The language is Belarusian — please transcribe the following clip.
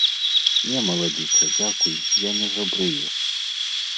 Не, маладзіца, дзякуй, я не жабрую.